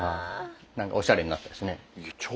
何かおしゃれになった。